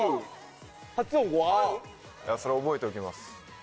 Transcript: それ覚えておきます。